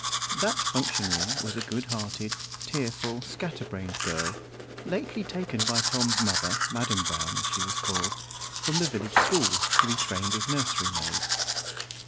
That functionary was a good hearted, tearful, scatter brained girl, lately taken by Tom's mother, Madam Brown, as she was called, from the village school to be trained as nurserymaid.